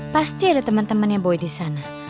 pasti ada temen temennya boy disana